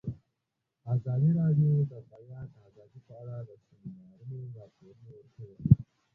ازادي راډیو د د بیان آزادي په اړه د سیمینارونو راپورونه ورکړي.